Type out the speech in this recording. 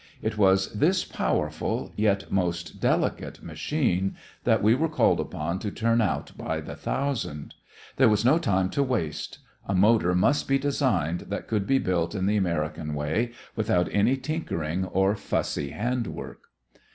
It was this powerful, yet most delicate, machine that we were called upon to turn out by the thousand. There was no time to waste; a motor must be designed that could be built in the American way, without any tinkering or fussy hand work.